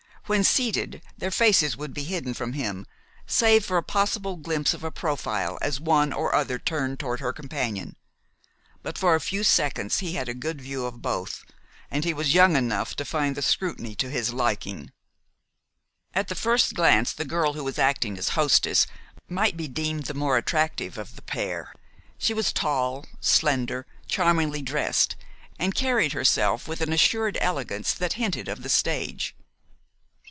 When seated, their faces would be hidden from him, save for a possible glimpse of a profile as one or other turned toward her companion. But for a few seconds he had a good view of both, and he was young enough to find the scrutiny to his liking. At the first glance, the girl who was acting as hostess might be deemed the more attractive of the pair. She was tall, slender, charmingly dressed, and carried herself with an assured elegance that hinted of the stage.